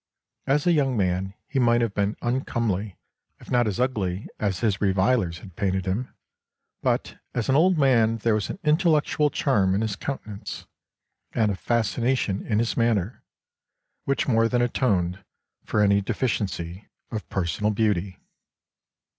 As a young man he might have been uncomely, if not as ugly as his revilers had painted him, but as an old man there was an intellectual charm in his countenance, and a fascination in his manner which more than atoned for any deficiency of personal beauty."